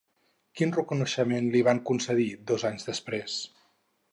Quin reconeixement li van concedir dos anys després?